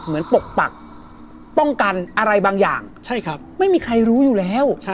ปกปักป้องกันอะไรบางอย่างไม่มีใครรู้อยู่แล้ว